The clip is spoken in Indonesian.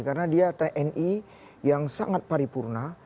karena dia tni yang sangat paripurna